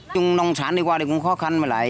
chung nông sản đi qua thì cũng khó khăn mà lại